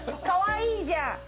かわいいじゃん！